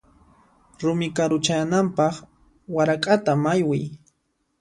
Rumi karu chayananpaq warak'ata maywiy.